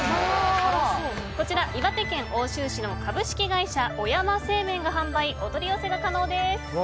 こちら岩手県奥州市の株式会社小山製麺が販売お取り寄せが可能です。